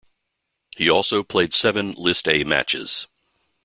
He also played seven List A matches.